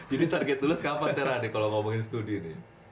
jadi target lulus kapan tera nih kalo ngomongin studi nih